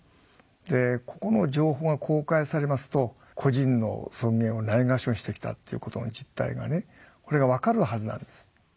でここの情報が公開されますと個人の尊厳をないがしろにしてきたっていうことの実態がねこれが分かるはずなんです。